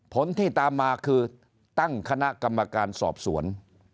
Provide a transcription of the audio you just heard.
ผลที่ตามมาคือตั้งคณะกรรมการสอบสวน